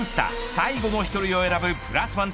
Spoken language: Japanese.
最後の１人を選ぶプラスワン